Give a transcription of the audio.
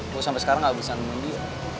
gue sampai sekarang gak bisa nemenin dia